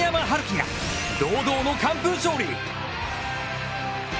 遙希が堂々の完封勝利！